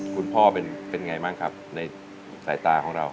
คุณพ่อเป็นไงบ้างครับในสายตาของเรา